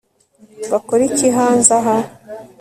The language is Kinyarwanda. bakora iki hanze aha